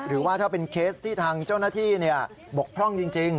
หรือว่าถ้าเป็นเคสที่ทางเจ้าหน้าที่บกพร่องจริง